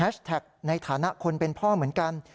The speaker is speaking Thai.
แฮชแท็กในฐานะคนเป็นพ่อเหมือนกัน